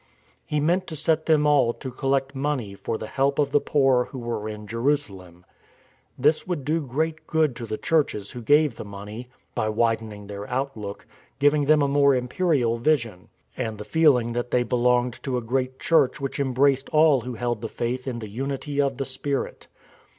He meant to set them all to collect money for the help of the poor who were in Jerusalem. This would do great good to the churches who gave the money — by widening their outlook — giving them a more, imperial vision, and the feeling that they be longed to a great Church which embraced all who held the Faith in the unity of the Spirit.